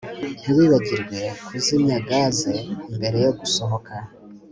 Ntiwibagirwe kuzimya gaze mbere yo gusohoka